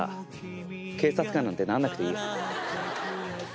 警察官なんてなんなくていいよ。